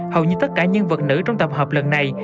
hầu như tất cả nhân vật nữ trong tập hợp lần này